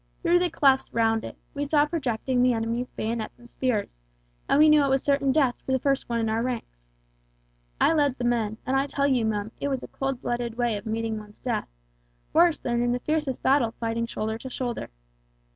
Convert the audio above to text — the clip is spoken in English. Through the clefts round it, we saw projecting the enemy's bayonets and spears, and we knew it was certain death for the first one in our ranks. I led the men, and I tell you, Mum, it was a cold blooded way of meeting one's death, worse than in the fiercest battle fighting shoulder to shoulder!